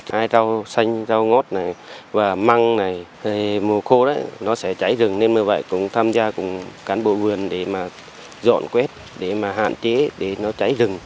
hai rau xanh rau ngót măng mùa khô nó sẽ cháy rừng nên như vậy cũng tham gia cán bộ vườn để mà dọn quét để mà hạn chế để nó cháy rừng